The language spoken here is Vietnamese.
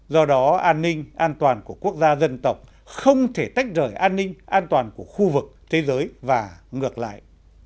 do đó an ninh an toàn của quốc gia dân tộc không thể tách rời an ninh an toàn của khu vực thế giới và ngược lại